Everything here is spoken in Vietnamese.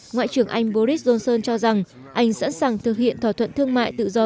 ngoại trưởng anh boris johnson cho rằng anh sẵn sàng thực hiện thỏa thuận thương mại tự do